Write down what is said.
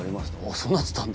「そうなってたんだ」